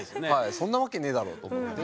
そんなわけねえだろ！と思って。